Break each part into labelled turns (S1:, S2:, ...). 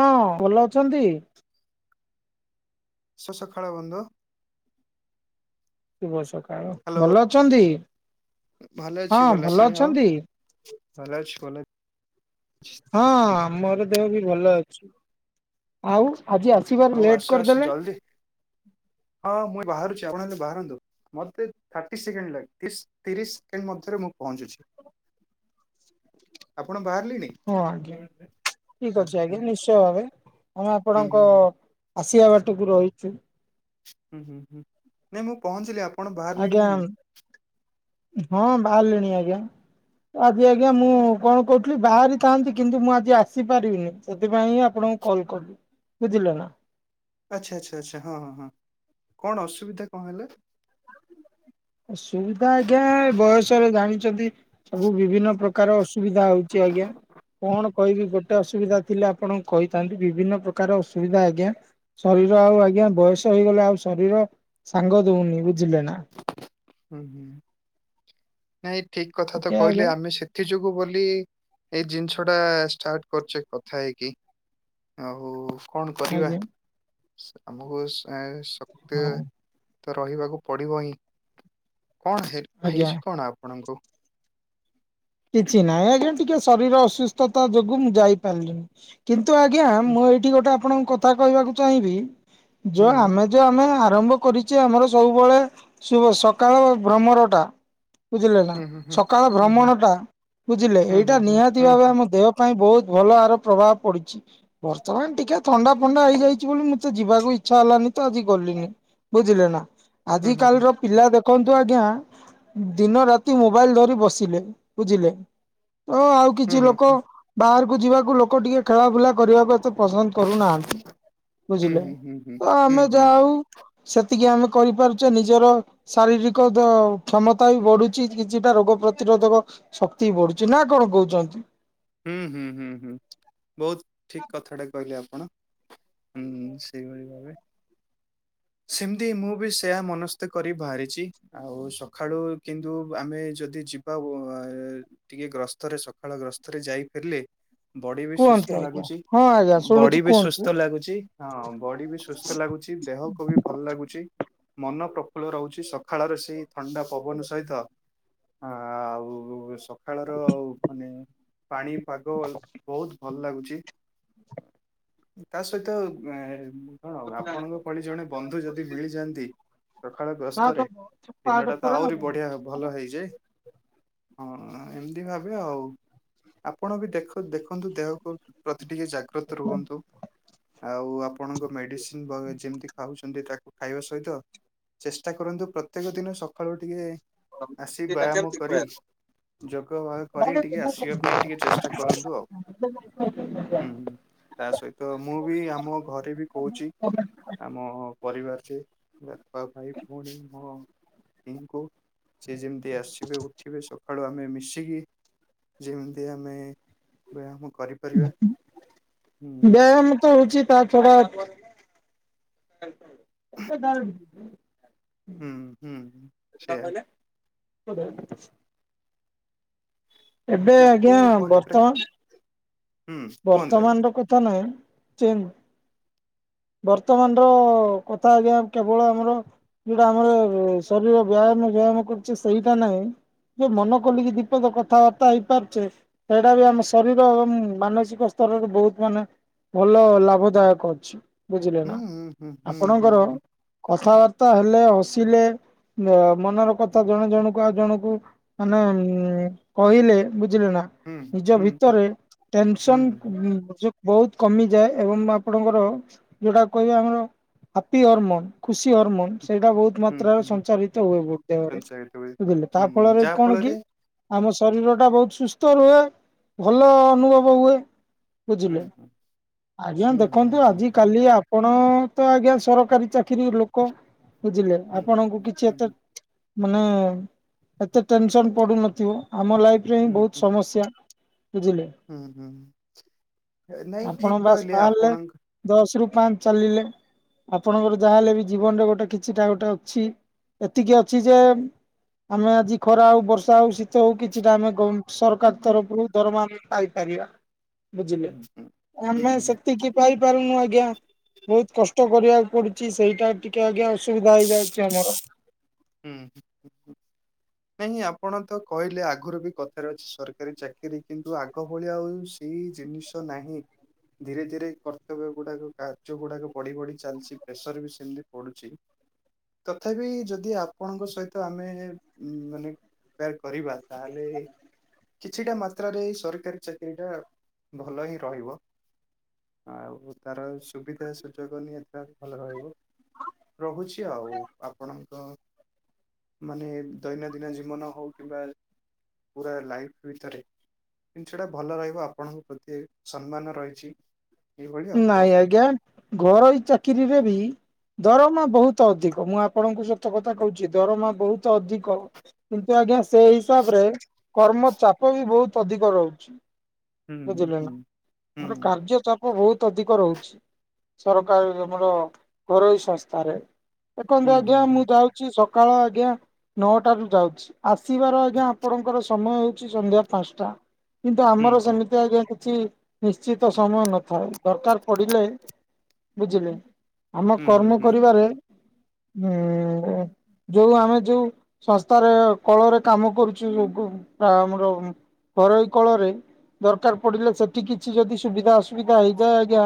S1: ହଁ ଭଲ ଅଛନ୍ତି।
S2: ସକାଳ ବନ୍ଧୁ।
S1: ଶୁଭ ସକାଳ
S2: ହ୍ୟାଲୋ
S1: ଭଲ ଅଛନ୍ତି।
S2: ଭଲ
S1: ହଁ
S2: ଅଛି ଅଛି
S1: ଭଲ
S2: ଆଉ
S1: ଅଛନ୍ତି।
S2: ଭଲ ଅଛି ଭଲ ଅଛି।
S1: ହଁ ଆମର ଦେହ ବି ଭଲ ଅଛି। ଆଉ ଆଜି ଆସ
S2: ଆଉ ଆସ ଆସ ଜଲ୍ଦି। ହଁ ମୁଇଁ ବାହାରୁଛି ଆପଣ ହେଲେ ବାହାରନ୍ତୁ। ମତେ ଥାର୍ଟି ସେକେଣ୍ଡ ଲାଗ ତିରିଶ ତିରିଶ ସେକେଣ୍ଡ ମଧ୍ୟରେ ମୁଁ ପହଞ୍ଚୁଛି।
S1: [inaudible]
S2: ଆପଣ ବାହାରିଲେଣି।
S1: ହଁ ଆଜ୍ଞା
S2: ଆଁ,
S1: ଠିକ ଅଛି
S2: ଆଁ,
S1: ଆଜ୍ଞା। ନିଶ୍ଚୟ ଭାବେ ଆମେ
S2: ହୁଁ ହୁଁ
S1: ଆପଣଙ୍କ
S2: ହୁଁ
S1: ଆସିବା ବାଟକୁ ରହିଛୁ।
S2: ହୁଁ ହୁଁ ହୁଁ ନାଇଁ ମୁଁ ପହଞ୍ଚିଲି। ଆପ
S1: ଆଜ୍ଞା ହଁ ବାହାରିଲିଣି ଆଜ୍ଞା। ଆଜି ଆଜ୍ଞା ମୁଁ କଣ କହୁଥିଲି ବାହାରି ଥାନ୍ତି। କିନ୍ତୁ ମୁଁ ଆଜି ଆସିପାରିବିନି। ସେଥିପାଇଁଁ ଆପଣ କଲ କରବି ବୁଝିଲେ ନା।
S2: ଆଚ୍ଛା ଆଚ୍ଛା ଆଚ୍ଛା ହଁ ହଁ ହଁ କଣ ଅସୁବିଧା କଣ ହେଲା?
S1: ଅସୁବିଧା ଆଜ୍ଞା ବୟସରେ ଜାଣିଛନ୍ତି। ସବୁ ବିଭିନ୍ନ ପ୍ରକାର ପ୍ରକାର ଅସୁବିଧା ହଉଛି ଆଜ୍ଞା। କଣ? କହିବି ଗୋଟେ ଅସୁବିଧା ଥିଲେ ଆପଣଙ୍କୁ କହିଥାନ୍ତି। ବିଭିନ୍ନ ପ୍ରକାର ଅସୁବିଧା ଆଜ୍ଞା। ଶରୀର ଆଉ ଆଜ୍ଞା ବୟସ ହେଇଗଲେ ଆଉ ଶରୀର ସାଙ୍ଗ ଦଉନି ବୁଝିଲେ ନା।
S2: ହୁଁ ହୁଁ ନାଇଁ ଠିକ କଥା ତ
S1: ଟିକେ ଆଜ୍ଞା
S2: କହିଲେ। ଆମେ ସେ ଏଥି ଯୋଗୁ ବୋଲି ଏଇ ଜିନିଷ ଟା ଷ୍ଟାର୍ଟ କରୁଛେ କଥା ହେଇକି। ଆଉ କଣ କରିବା?
S1: ଆଜ୍ଞା
S2: ଆମକୁ ଆ ଶକ୍ତି
S1: ହଁ
S2: ତ ରହିବାକୁ ପଡିବ ହିଁ। କଣ ହେ
S1: ଆଜ୍ଞା।
S2: ହେଇଛି କଣ ଆପଣଙ୍କୁ?
S1: କିଛି ନାହିଁ ଆଜ୍ଞା। ଟିକେ ଶରୀର ଅସୁସ୍ଥତା ଯୋଗୁ ମୁଁ ଯାଇପାରିଲିନି। କିନ୍ତୁ ଆଜ୍ଞା
S2: ହୁଁ
S1: ମୁଁ ଏଇଠି ଗୋଟେ ଆପଣଙ୍କୁ କଥା କହିବାକୁ ଚାହିଁବି। ଯୋ
S2: ହୁଁ
S1: ଆମେ ଯେ ଆମେ ଆରମ୍ଭ କରିଛେ ଆମର ସବୁବେଳେ ଶୁ ସକାଳ ଭ୍ରମରଟା। ବୁଝିଲେ ନା
S2: ହୁଁ ହୁଁ
S1: ସକାଳ
S2: ହୁଁ।
S1: ଭ୍ରମଣ ଟା। ବୁଝିଲେ
S2: ହୁଁ ହୁଁ
S1: ଏଇଟା
S2: ହୁଁ
S1: ନିହାତି
S2: ହୁଁ
S1: ଭାବେ ଆମ ଦେହ ପାଇଁ ବହୁତ ଭଲ ଆହାର ପ୍ରଭାବ ପଡିଛି। ବର୍ତ୍ତମାନ ଟିକେ ଥଣ୍ଡା ଫଣ୍ଡା ହେଇଯାଇଛି ବୋଲି ମତେ ଯିବାକୁ ଇଛ ଛା ହେଲାନି ତ ଆଜି ଗଲିନି ବୁଝିଲେ ନା।
S2: ହୁଁ
S1: ଆଜି
S2: ହୁଁ ହୁଁ
S1: କାଲିର ପିଲା ଦେଖନ୍ତୁ ଆଜ୍ଞା ଦିନ ରାତି ମୋବାଇଲ ଧରି ବସିଲେ। ବୁଝିଲେ ତ ଆଉ
S2: ହୁଁ ହୁଁ
S1: କିଛି
S2: ହୁଁ ହୁଁ
S1: ଲୋକ
S2: ହୁଁ।
S1: ବାହାରକୁ ଯିବାକୁ ଲୋକ ଲୋକ ଟିକେ ଖେଳାବୁଲା କରିବାକୁ ଏତେ ପସନ୍ଦ କରୁନାହାନ୍ତି।
S2: ହୁଁ
S1: ବୁଝିଲେ
S2: ହୁଁ ହୁଁ
S1: ତ
S2: ହୁଁ ହୁଁ
S1: ଆମେ
S2: ହୁଁ
S1: ଯାହଉ ସେତିକି ଆମେ କରିପାରୁଛେ। ନିଜର ଶାରୀରିକ କ୍ଷମତା ବି ବଢୁଛି। କିଛିଟା ରୋଗ ପ୍ରତିରୋଧକ ଶକ୍ତି ବଢୁଛି ନା କଣ କହୁଛନ୍ତି?
S2: ହୁଁ ହୁଁ ହୁଁ ହୁଁ ବହୁତ ଠିକ କଥାଟା କହିଲେ ଆପଣ। ହୁଁ ସେଇଭଳି ଭାବେ।
S1: [inaudible]
S2: ସେମତି ମୁଁ ବି ସେୟା ମନସ୍ତ କରି ବାହାରିଛି। ଆଉ ସକାଳୁ କିନ୍ତୁ ଆମେ ଯଦି ଯିବ ବା ଟିକେ ଗ୍ରସ୍ତରେ ସକାଳ ଗ୍ରସ୍ତରେ ଯାଇ ଫେରିଲେ। ବଡି ବି
S1: କୁହନ୍ତୁ
S2: ସୁସ୍ଥ
S1: ଆଜ୍ଞା
S2: ଲାଗୁଛି।
S1: ହଁ ଆଜ୍ଞା ଶୁଣୁଛି
S2: ବଡି ବି
S1: କୁହନ୍ତୁ।
S2: ସୁସ୍ଥ ଲାଗୁଛି। ହଁ ବଡି ବି ସୁସ୍ଥ ଲାଗୁଛି ଦେହକୁ ବି ଭଲ ଲାଗୁଛି। ମନ ପ୍ରଫୁଲ୍ଲ ରହୁଛି ସଖାଳର ସେଇ ଥଣ୍ଡା ପବନ ସହିତ ଆଉ ସକାଳର ଆଉ ମାନେ ପାଣି ପାଗ ବହୁତ ଭଲ ଲାଗୁଛି। ତା ସହିତ ଏ କଣ ଆପଣଙ୍କ ଭଳି ଜଣେ ବନ୍ଧୁ ଯଦି ମିଳିଯାଆନ୍ତି ସକାଳ ଗସ୍ତରେ ଦିନଟା ତ ଆହୁରି ବଢ଼ିଆ ଭଲ ହେଇଯାଏ ହଁ ଏମିତି ଭାବେ ଆଉ। ଆପଣ ବି ଦେଖ ଦେଖନ୍ତୁ ଦେହକୁ ପ୍ରତି ଟିକେ ଜାଗ୍ରତ ରୁହନ୍ତୁ ଆଉ ଆପ ପଣଙ୍କ ମେଡିସିନ ଯେମିତି ଖାଉଛି ପ ଟିକେ ତାକୁ ଖାଇବା ସହିତ ଚେଷ୍ଟା କରନ୍ତୁ ପ୍ରତ୍ୟେକ ଦିନ ସକାଳୁ ଟିକେ ଆସି ବ୍ୟାୟାମ କରି ଯୋଗ ବାଗ କରି ଟିକେ ଆସିବେ ପାଇଁ ଟିକେ ଚେଷ୍ଟା କରନ୍ତୁ ଆଉ।
S1: [inaudible]
S2: ହୁଁ ହୁଁ ତା ସହିତ ମୁଁ ବି ଆମ ଘରେ ବି କହୁଛି। ଆମ ପରିବାରକୁ ବାପା ଭାଇ ଭଉଣୀ ମୋ ଇ ଙ୍କୁ। ସସିଏ ଯେମିତି ଆସିବେ ଉଠିବେ ସକାଳୁ ଆମେ ମିଶିକି ଯେମିତି ଆମେ ବ୍ୟାୟାମ କରି
S1: ବ୍ୟାୟାମ ତ ହଉଛି ତାଛଡ଼ା
S2: ହୁଁ ହୁଁ ସେୟା।
S1: [unintelligible] ଏବେ
S2: ୟାକୁ
S1: ଆଜ୍ଞା
S2: ପରିପ୍ରେ
S1: ବର୍ତ୍ତମାନ।
S2: ହୁଁ କୁହନ୍ତୁ ଆଜ୍ଞା।
S1: ବର୍ତ୍ତମାନର କଥା ନୁହେଁ ଚେ ବର୍ତ୍ତମାନର କଥା ଆଜ୍ଞା କେବଳ ଆମର ଯଉଟା ଆମର ଶରୀର ବ୍ୟାୟାମ ବ୍ୟାୟାମ କରୁଛି ସେଇଟା ନାହିଁ। ଜଉ ମନ ଖୋଲିକି ଦିପଦ କଥାବାର୍ତ୍ତା ହେଇପାରୁଛେ ସେଇଟା ବି ଆମ ଶରୀର ଏବଂ ମାନସିକ ସିକ ସ୍ତରରେ ବହୁତ ମାନେ ଭଲ ଲାଭ ଦାୟକ ଅଛି। ବୁଝିଲେ ନା ଆପଣଙ୍କର କଥାବାର୍ତ୍ତା ହେଲେ ହସିଲେ। ମନ ର କଥା ଜଣେ ଜଣକୁ ଆଉ ଜଣକୁ ମାନେ କହିଲେ ବୁଝିଲେ ନା ନିଜ ଭିତରେ ଟେନସନ୍ ବହୁତ କମିଯାଏ ଏବଂ ଆପଣଙ୍କର ଯୋଉଟା କହିବା ଆମର ହାପି ହରମୋନ ଖୁସି ହରମୋନ ସେଇଟା ବହୁତ ମାତ୍ରାରେ ସଞ୍ଚାରିତ ହୁଏ ବି ଦେହରେ
S2: ସଞ୍ଚାଳିତ ହୁଏ
S1: ବୁଝିଲେ ତା ଫଳରେ କଣ କି ଆମ ଶରୀର ଟା ବହୁତ ସୁସ୍ଥ ରୁହେ ଭଲ ଅନୁଭବ ହୁଏ। ବୁଝିଲେ ଆଜ୍ଞା ଦେଖନ୍ତୁ ଆଜି କାଲି ଆ ପଣ ତ ଆଜ୍ଞା ସରକାରୀ ଚାକିରି ଲୋକ ବୁଝିଲେ ଆପଣଙ୍କୁ କିଛି ଏତେ ମାନେ ଏତେ ଟେନସନ୍ ପଡୁନଥିବ ଆମ ଲାଇଫ ରେ ହିଁ ବହୁତ ସମସ୍ୟା। ବୁଝିଲେ।
S2: ହୁଁ ହୁଁ ନାଇଁ
S1: ଆପଣ
S2: ଠିକ୍
S1: ବାସ୍
S2: କହିଲେ
S1: ବାହାରିଲେ
S2: ଆପଣଙ୍କ
S1: ଦଶ ରୁ ପାଞ୍ଚ ଚାଲିଲେ। ଆପଣଙ୍କର ଯାହା ହେଲେ ବି ଜୀବନରେ ଗୋଟେ କିଛିଟା ଗୋଟେ ଅଛି ଏତିକି ଅଛି ଯେ ଆମେ ଆଜି ଖରା ହଉ ବର୍ଷା ହଉ ଶୀତ ହଉ କିଛିଟା ଆମେ ସରକାର ତରଫରୁ ଦରମା। ପାଇପାରିବା ବୁଝିଲେ
S2: ହୁଁ, ହୁଁ, ହୁଁ,
S1: ଆମେ
S2: ହୁଁ,
S1: ସେତିକି ପାଇପାରୁନୁ ଆଜ୍ଞା ବହୁତ କଷ୍ଟ କରିବାକୁ ପଡୁଛି ସେଇଟା ଟିକେ ଆଜ୍ଞା ଅସୁବିଧା ହେଇଯାଉଛି ଆମର।
S2: ହୁଁ।
S1: [inaudible]
S2: ନାଇଁ ଆପଣ ତ କହିଲେ ଆଗରୁ ବି କଥାରେ ଅଛି ସରକାରୀ ଚାକିରିୀ କିନ୍ତୁ ଆଗ ଭଳିଆ ଆଉ ଏଇ ଜିନିଷ ନାହିଁ। ଧୀରେ ଧୀରେ କର୍ତ୍ତବ୍ୟ ଗୁଡ଼ାକ କାର୍ଯ୍ୟ ଗୁଡ଼ାକ ବଢ଼ି ବଢ଼ି ଚାଲିଛି ପ୍ରେସର ବି ସେମିତି ପଡୁଛି। ତଥାପି ଯଦି ଆ ଆପଣଙ୍କ ସହିତ ଆମେ ଉ କମ୍ପାୟାର କରିବା ତାହେଲେ କିଛିଟା ମାତ୍ରାରେ ଏଇ ସରକାରୀ ଚାକିରି ଟା ଭଲ ହିଁ ରହିବ। ଆଉ ତାର ସୁବିଧା ସୁଯୋଗ ନିହାତି ଟା ଭଲ ରହିବ। ରହୁଛି ଆଉ। ଆପଣଙ୍କ ମାନେ ଦୈନନ୍ଦିନ ଜୀବନ ହଉ, କିମ୍ବା ପୁରା ଲାଇଫ ଭିତରେ ଜିନିଷ ଟା ଭଲ ରହିବ ଆପଣଙ୍କ ପ୍ରତି ସମ୍ମାନ ରହିଛି। ଏଇଭଳି ଆଉ କଣ।
S1: ନାଇଁ ଆଜ୍ଞା ଘରୋଇ ଚାକିରିରେ ବି ଦରମା ବହୁତ ଅଧିକ। ମୁଁ ଆପଣଙ୍କୁ ସତ କଥା କହୁଛି ଦରମା ବହୁତ ଅଧିକ। କିନ୍ତୁ ଆଜ୍ଞା ସେଇ ହିସାବ ରେ କର୍ମ ଚାପ ବି ବହୁତ ଅଧିକ ରହୁଛି।
S2: ହୁଁ
S1: ବୁଝିଲେ
S2: ହୁଁ
S1: ନା। ମାନେ
S2: ହୁଁ
S1: କାର୍ଯ୍ୟ ଚା ବହୁତ ଅଧିକ ରହୁଚି। ସରକାର ଆମର ଘରୋଇ ସଂସ୍ଥାରେ। ଦେଖନ୍ତୁ ଆଜ୍ଞା
S2: ହୁଁ
S1: ମୁଁ
S2: ହୁଁ
S1: ଯାଉଚି ସକାଳ ଆଜ୍ଞା ନଅଟା ରୁ ଯାଉଚି। ଆସିବାର ଆଜ୍ଞା ଆପଣଙ୍କର ସମୟ ହେଉଚି ସନ୍ଧ୍ୟା ପାଞ୍ଚଟା। କିନ୍ତୁ ଆମର
S2: ହୁଁ
S1: ସେମିତି ଆଜ୍ଞା କିଛି ନିଶ୍ଚିତ ସମୟ ନ ନଥାଏ। ଦରକାର ପଡ଼ିଲେ ବୁଝିଲେ ଆମ
S2: ହୁଁ ହୁଁ
S1: କର୍ମ
S2: ହୁଁ
S1: କରିବାରେ ଉଁ ଯୋଉ ଆମେ ଯୋଉ ସଂସ୍ଥାରେ କଳରେ କାମ କରୁଚୁ ଗୁ ଆମର ଘରୋଇ କଳରେ ଦରକାର ପଡିଲେ ସେଠି କିଛି ଯଦି ସୁବିଧା ଅସୁ ଅସୁବିଧା ହେଇଯାଏ ଆଜ୍ଞା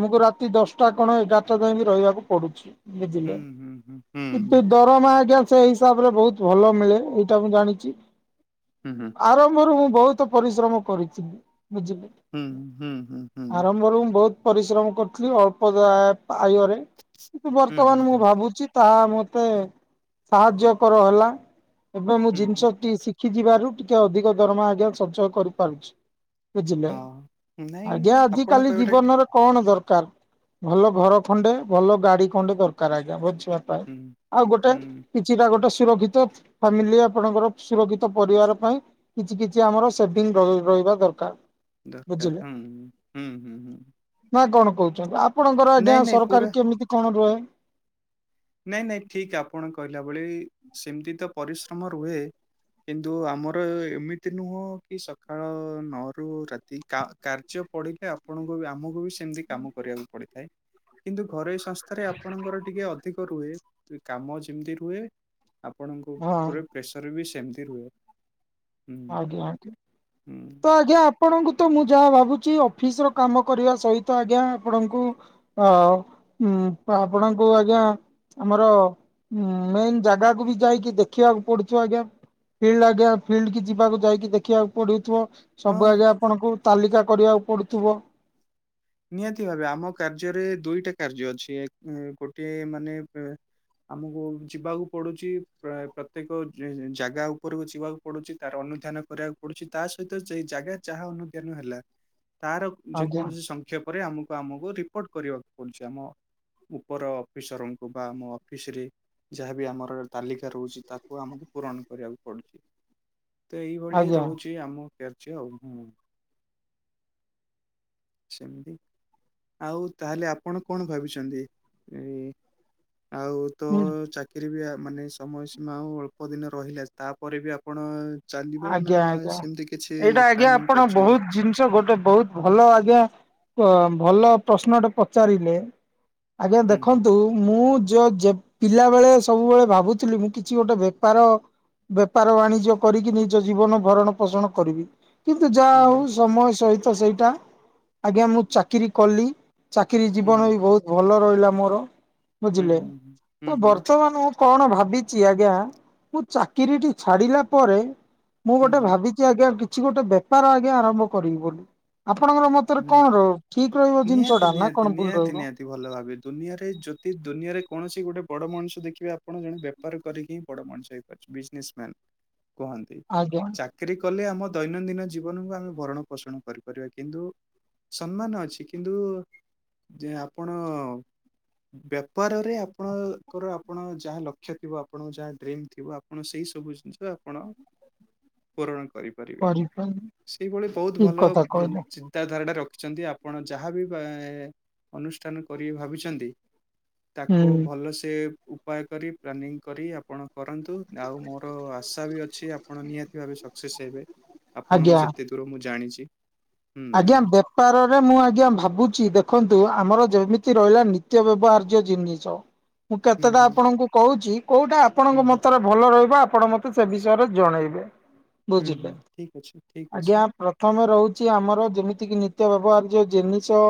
S1: ଆମକୁ ରାତି ଦଶଟା କଣ ଏଗାରଟା ଯାଏ ବି ରହିବାକୁ ପଡୁଚି।
S2: ହୁଁ
S1: ବୁଝିଲେ।
S2: ହୁଁ ହୁଁ
S1: କିନ୍ତୁ
S2: ହୁଁ
S1: ଦରମା ଆଜ୍ଞା ସେଇ ହିସାବ ରେ ବହୁତ ଭଲ ମିଳେ। ଏଇଟା ମୁଁ ଜାଣିଚି।
S2: ହୁଁ ହୁଁ।
S1: ଆରମ୍ଭରୁ ମୁଁ ବହୁତ ପରିଶ୍ରମ କରିଚି। ବୁଝିଲେ।
S2: ହୁଁ ହୁଁ ହୁଁ। ହୁଁ
S1: ଆରମ୍ଭରୁ ମୁଁ ବହୁତ ପରିଶ୍ରମ କରୁଥିଲି ଅଳ୍ପ ଦ୍ବୟ ଆୟରେ। କିନ୍ତୁ
S2: ହୁଁ ହୁଁ
S1: ବର୍ତ୍ତମାନ ମୁଁ
S2: ହୁଁ
S1: ଭାବୁଚି ତାହା ମତେ ସାହାଯ୍ୟ କର ହେଲା। ଏବେ ମୁଁ
S2: ହୁଁ ହୁଁ
S1: ଜିନିଷଟି ଶି ଶିଖି ଯିବାରୁ ଟିକେ ଅଧିକ ଦରମା ଆଜ୍ଞା ସଞ୍ଚୟ କରିପାରୁଚି। ବୁଝିଲେ।
S2: ହଁ ନାଇଁ
S1: ଆଜ୍ଞା
S2: ଆପଣ
S1: ଆଜିକାଲି
S2: କହିବାଟା ଠିକ୍
S1: ଜୀବନର କଣ ଦରକାର, ଭଲ ଘର ଖଣ୍ଡେ ଭଲ ଗାଡି ଖଣ୍ଡେ ଦରକାର ଆଜ୍ଞା। ମୋ ଛୁଆ ପାଇଁ।
S2: ହୁଁ
S1: ଆଉ ଗୋଟେ
S2: ହୁଁ
S1: କିଛିଟା ଗୋଟେ ସୁରକ୍ଷିତ ଫାମିଲି ଆପଣଙ୍କର ସୁରକ୍ଷିତ ପରିବାର ପାଇଁ। କିଛି କିଛି ଆମର ସେଭିଙ୍ଗ ରହିବା ଦରକାର।
S2: ଦରକାର
S1: ବୁଝିଲେ
S2: ହୁଁ ହୁଁ ହୁଁ ହୁଁ।
S1: ନା କଣ କହୁଛନ୍ତି। ଆପଣଙ୍କର ଆଜ୍ଞା
S2: ନାଇଁ ନାଇଁ ପୁରା
S1: ସରକାର କେମିତି କଣ ରୁହେ?
S2: ନାଇଁ ନାଇଁ ଠିକ୍ ଆପଣ କହିଲା ଭଳି ସେମିତି ତ ପରିଶ୍ରମ ରୁହେ। କିନ୍ତୁ ଆମର ଏମିତି ନୁହଁ କି ସକାଳ ନଅ ରୁ ରା ତି କାର୍ଯ୍ୟ ପଡିଲେ ଆପଣଙ୍କୁ ବି ଆମକୁ ବି ଏମିତି କାମ କରିବାକୁ ପଡିଥାଏ। କିନ୍ତୁ ଘରୋଇ ସଂସ୍ଥାରେ ଆପଣଙ୍କର ଟିକେ ଅ ଧିକ ରୁହେ। କାମ ଯେମିତି ରୁହେ ଆପଣଙ୍କ
S1: ହଁ
S2: ଉପରେ ପ୍ରେସର ବି ସେମିତି ରୁହେ। ହୁଁ
S1: ଆଜ୍ଞା ଆଜ୍ଞା। ତ
S2: ହୁଁ
S1: ଆଜ୍ଞା ଆପଣଙ୍କୁ ତ ମୁଁ ଯାହା ଭାବୁଛି ଅଫିସ ର କାମ କରିବା ସହିତ ଆଜ୍ଞା ଆପଣଙ୍କୁ ତ ଉଁ ଆପଣଙ୍କୁ ଆଜ୍ଞା ଆମର ମେନ୍ ଜାଗାକୁ ବି ଯାଇକି ଦେଖିବାକୁ ପଡୁଥିବ ଆଜ୍ଞା। ଫିଲ୍ଡ ଆଞା ଫିଲ୍ଡ କି ଯିବାକୁ ଯାଇକି ଦେଖିବାକୁ ପଡୁଥିବ। ସବୁ
S2: ହଁ
S1: ଆଜ୍ଞା ଆପଣଙ୍କୁ ତାଲିକା କରିବାକୁ ପଡୁଥିବ।
S2: ନିହାତି ଭାବେ। ଆମ କାର୍ଯ୍ୟରେ ଦୁଇଟା କାର୍ଯ୍ୟ ଅଛି ଗୋଟିଏ ମାନେ ଆମକୁ ଯିବାକୁ ପଡୁଚି। ପ୍ର ପ୍ରତ୍ୟେକ ଜାଗା ଉପରକୁ ଯିବାକୁ ପଡୁଚି ତାର ଅନୁଧ୍ୟାନ କରିବାକୁ ପଡୁଚି। ତା ସହିତ ସେଇ ଜାଗା ଯାହା ଅନୁଧ୍ୟାନ ହେଲା ତାର
S1: ଆଜ୍ଞା
S2: ଯେକୌଣସି ସଂକ୍ଷେପରେ ଆମକୁ ଆମକୁ ରିପୋର୍ଟ କରିବାକୁ ପଡୁଛି ଆମ ଉପର ଅଫିସରଙ୍କୁ ବା ମୋ ଅଫିସ୍ ରେ। ଯାହାବି ଆମର ତାଲିକା ରହୁଛି ତାକୁ ଆମକୁ ପୂରଣ କରିବାକୁ ପଡୁଛି। ତ ଏଇଭଳି
S1: ଆଜ୍ଞା
S2: ରହୁଛି ଆମ କାର୍ଯ୍ୟ ଆଉ ହୁଁ। ସେମିତି। ଆଉ ତାହେଲେ ଆପଣ କଣ ଭାବିଛନ୍ତି ଏ ଆଉ ତ
S1: ହୁଁ।
S2: ଚାକିରି ବି ମାନେ ସମୟ ସୀମା ଆଉ ଅଳ୍ପ ଦିନ ରହିଲା ତାପରେ ବି ଆପଣ ଚାଲିବ ନା
S1: ଆଜ୍ଞା ଆଜ୍ଞା
S2: ସେମିତି କିଛି
S1: ଏଇଟା ଆଜ୍ଞା
S2: ପ୍ଲାନିଂ
S1: ଆପଣ
S2: କରିଛନ୍ତି?
S1: ବହୁତ୍ ଜିନିଷ ଗୋଟେ ବହୁତ୍ ଭଲ ଆଜ୍ଞା ଭଲ ପ୍ରଶ୍ନଟେ ପଚାରିଲେ। ଆଜ୍ଞା
S2: ହୁଁ, ହୁଁ,
S1: ଦେଖନ୍ତୁ ମୁଁ ଯ ଯେ ପିଲାବେେଳେ ସବୁବେଳେ ଭାବୁଥିଲି ମୁଁ କିଛି ଗୋଟେ ବେପାର ବେପାର ବାଣିଜ୍ୟ କରିକି ନି ନିଜ ଜୀବନ ଭରଣ ପୋଷଣ କରିବି କିନ୍ତୁ ଯାହା ହଉ
S2: ହୁଁ,
S1: ସମୟ ସହିତ ସେଇଟା ଆଜ୍ଞା ମୁଁ ଚାକିରିୀ କଲି ଚାକିରିୀ
S2: ହୁଁ,
S1: ଜୀବନ ବି ବହୁତ୍ ଭଲ ରହିଲା ମୋର।
S2: ହୁଁ,
S1: ବୁଝିଲେ
S2: ହୁଁ, ହୁଁ,
S1: ତ
S2: ହୁଁ, ହୁଁ,
S1: ବର୍ତ୍ତମାନ କଣ ଭାବିଚି ଆଜ୍ଞା ମୁଁ ଚାକିରିଟି ଛାଡ଼ିଲା ପରେ ମୁଁ
S2: ହୁଁ, ହୁଁ,
S1: ଗୋଟେ ଭାବିଛି ଆଜ୍ଞା କିଛି ଗୋଟେ ବେପାର ଆଜ୍ଞା ଆରମ୍ଭ କରିବି ବୋଲି ଆପଣଙ୍କର ମତ ତରେ
S2: ହୁଁ।
S1: କଣ ର ଠିକ୍ ରହିବ ଜିନିଷ
S2: ନିହାତି,
S1: ଟା ନାଁ
S2: ନିହାତି,
S1: କଣ ଭୁଲ୍
S2: ନିହାତି,
S1: ରହିବ?
S2: ନିହାତି ଭଲ ଭାବେ ଦୁନିଆରେ ଯଦି ଦୁନିଆରେ କୌଣସି ଗୋଟେ ବଡ ମଣିଷ ଦେଖିବେ ଆପଣ ଜଣେ ବ୍ୟ ବେପାର କରିକି ହିଁ ବଡ ମଣିଷ ହେଇପାରିଛି ବିଜନେସ ମ୍ୟାନ କୁହନ୍ତି।
S1: ଆଜ୍ଞା।
S2: ଚାକିରୀ କଲେ ଆମ ଦୈନନ୍ଦିନ ଜୀବନକୁ ଆମେ ଭରଣ ପୋଷଣ କରିପାରିବା କିନ୍ତୁ ସମ୍ମାନ ଅଛି କିନ୍ତୁ ଯେ ଆପଣ ବେପାରରେ ଆପଣଙ୍କର ଆପଣ ଯାହା ଲକ୍ଷ୍ୟ ଥିବ ଆପଣଙ୍କ ଯାହା ଡ୍ରିମ୍ ଥିବ ଆପଣ ସେଇ ସବୁ ଜିନିଷ ଆପଣ
S1: [inaudible]
S2: ପୂରଣ କରିପାରିବେ
S1: କରିପାରିବି।
S2: ସେଇଭଳି ବହୁତ୍
S1: ଠିକ
S2: ଭଲ
S1: କଥା
S2: ଯିନ ଚିନ
S1: କହିଲେ
S2: ଚିନ୍ତା ଧାରାଟା ରଖିଛନ୍ତି ଆପଣ ଯାହାବି ଏ ଅନୁଷ୍ଠାନ କରିବେ ଭାବିଛନ୍ତି ତାକୁ
S1: ହୁଁ
S2: ଭଲସେ ଉପାୟ କରି ପ୍ଲାନିଂ କରି ଆପଣ କରନ୍ତୁ ଆଉ ମୋର ଆଶା ବି ଅଛି ଆପ ଆପଣ ନିହାତି ଭାବେ ସକ୍ସେସ୍ ହେବେ
S1: ଆଜ୍ଞା।
S2: ଆପଣଙ୍କୁ ଯେତେ ଦୂର ମୁଁ ଜାଣିଚି।
S1: ଆଜ୍ଞା ବେ ବେପାର ରେ ମୁଁ ଆଜ୍ଞା ଭାବୁଛି ଦେଖନ୍ତୁ ଆମର ଯେମିତି ରହିଲା ନିତ୍ୟ ବ୍ୟବହାର୍ଯ୍ୟ ଜିନିଷ। ମୁଁ
S2: ହୁଁ
S1: କେତେଟା
S2: ହୁଁ।
S1: ଆପଣଙ୍କୁ କହୁଛି କୋଉଟା ଆପଣଙ୍କ
S2: ହୁଁ ହୁଁ
S1: ମତରେ ଭଲ ରହିବ ଆପଣ ମତେ ସେ ବିଷୟରେ ଜଣେଇବେ
S2: ହୁଁ ହୁଁ
S1: ବୁଝିଲେ
S2: ଠିକ୍ ଅଛି ଠିକ୍ ଅଛି
S1: ଆଜ୍ଞା ପ୍ର ପ୍ରଥମେ ରହୁଛି ଆମର ଯେମିତି କିି ନିତ୍ୟ ବ୍ୟବହାର୍ଯ୍ୟ ଜିନିଷ।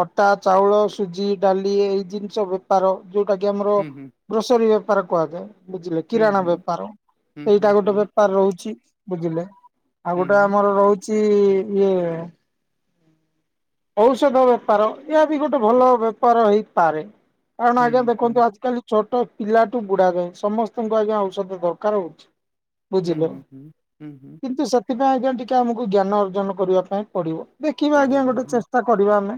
S1: ଅଟା ଚାଉଳ ସୁଜି ଡାଲି ଏଇ ଜିନିଷ ବେ ବପାର ଯୋଉଟା କି ଆମର
S2: ହୁଁ ହୁଁ
S1: ଗ୍ରୋସରୀ ବେପାର କୁହାଯାଏ। ବୁଝିଲେ
S2: ହୁଁ
S1: କିରାଣ
S2: ହୁଁ
S1: ବେପାର
S2: ହୁଁ ହୁଁ
S1: ସେଇଟା ଗୋଟେ
S2: ହୁଁ
S1: ବେପାର ରହୁଛି ବୁଝିଲେ। ଆଉ ଗୋଟେ
S2: ହୁଁ।
S1: ଆମର ରହୁଚି ଇଏ ଔଷଧ ବେପାର ଏହା ବି ଗୋଟେ
S2: ହୁଁ,
S1: ଭଲ ବେପାର ହେଇପାରେ କାରଣ ଆଜ୍ଞା
S2: ହୁଁ, ହୁଁ,
S1: ଦେଖନ୍ତୁ ଆଜି କାଲି ଛୋଟ ପିଲାଠୁ ବୁଢା ଯାଏଁ ସମସ୍ତଙ୍କୁ ଆଜ୍ଞା ଔଷଧ ଦରକାର ହଉଛି। ବୁଝିଲେ
S2: ହୁଁ, ହୁଁ, ହୁଁ, ହୁଁ,
S1: କିନ୍ତୁ ସେ ସେଥିପାଇଁ ଆଜ୍ଞା ଟିକେ ଆମକୁ ଜ୍ଞାନ ଅର୍ଜନ କରିବା ପାଇଁ ପଡିବ ଦେଖିବା ଆଜ୍ଞା
S2: ପଡ଼ିବ।
S1: ଗୋଟେ
S2: ହୁଁ,
S1: ଚିନ୍ତା‌ କରିବା ଆମେ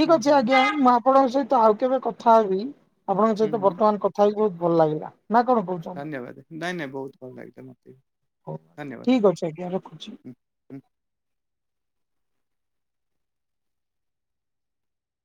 S1: ଠିକ୍
S2: ହୁଁ,
S1: ଅଛି
S2: ହୁଁ,
S1: ଆଜ୍ଞା ମୁଁ ଆପଣଙ୍କ ସହିତ ଆଉ କେବେ କଥା ହେବି। ଆପଣଙ୍କ
S2: ହୁଁ,
S1: ସହିତ
S2: ହୁଁ,
S1: ବର୍ତ୍ତମାନ କଥା ହେଇକି ବହୁତ୍ ଭଲ ଲାଗିଲା ନା କଣ କହୁଛ?
S2: ଧନ୍ୟବାଦ ନାଇଁ ନାଇଁ ବହୁତ୍ ଭଲ ଲାଗିଲା ମୋତେ ବି ଧନ୍ୟବାଦ।
S1: ଠିକ୍ ଅଛି ଆଜ୍ଞା
S2: ହୁଁ,
S1: ର କୁଚି।
S2: ହୁଁ, ହୁଁ।